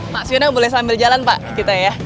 pak siono boleh sambil jalan pak